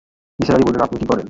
নিসার আলি বললেন, আপনি কী করেন?